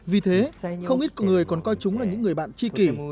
vì thế không ít người còn coi chúng là những người bạn chi kỷ